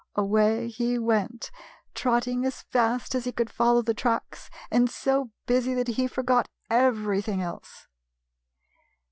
Away he went, trot ting as fast as he could follow the tracks, and so busy that he forgot everything else.